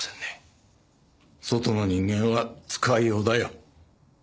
外の人間は使いようだよ。